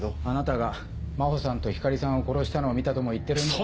あなたが真帆さんと光莉さんを殺したのを見たとも言ってる。